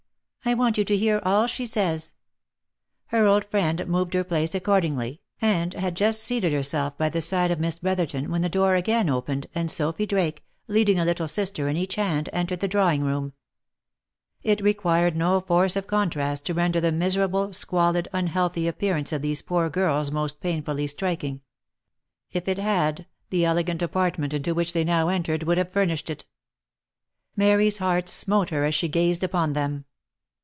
I want you to hear all she says." Her old friend moved her place accordingly, and had just seated ^3 j)^W All^ J //■////.//•/; '/Ay ■",<//'/.///,■___////////,//,'// OF MICHAEL ARMSTRONG. 153 herself by the side of Miss Brotherton when the door again opened, and Sophy Drake, leading a little sister in each hand, entered the drawing room. It required no force of contrast to render the miserable, squalid, unhealthy appearance of these poor girls most painfully striking ; if it had, the elegant apartment into which they now entered would have furnished it. Mary's heart smote her as she gazed upon them.